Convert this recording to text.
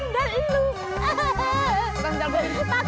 makan sendal gue